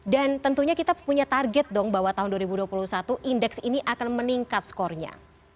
dan tentunya kita punya target dong bahwa tahun dua ribu dua puluh satu indeks ini akan meningkat skornya